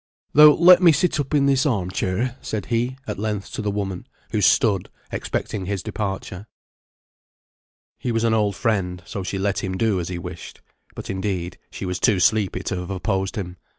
"Thou'lt let me sit up in this arm chair," said he at length to the woman, who stood, expecting his departure. He was an old friend, so she let him do as he wished. But, indeed, she was too sleepy to have opposed him.